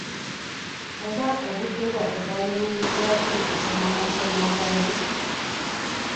Oba obudde bwaffe bwayonoonekera ki mu kusoma amasomo agamu?